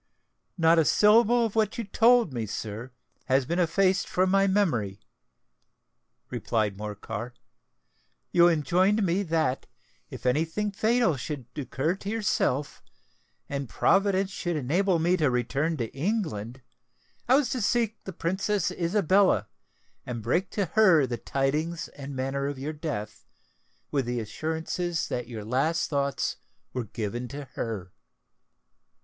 "Not a syllable of what you told me, sir, has been effaced from my memory," replied Morcar. "You enjoined me that, if any thing fatal should occur to yourself, and Providence should enable me to return to England, I was to seek the Princess Isabella, and break to her the tidings and manner of your death, with the assurance that your last thoughts were given to her!"